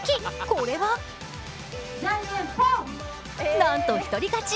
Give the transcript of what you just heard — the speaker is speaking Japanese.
これはなんと一人勝ち。